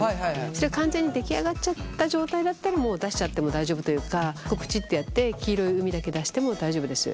それが完全に出来上がっちゃった状態だったらもう出しちゃっても大丈夫というかぷちっとやって黄色い膿だけ出しても大丈夫です。